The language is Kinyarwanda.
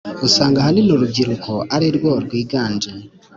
. Usanga ahanini urubyiruko ari rwo rwiganje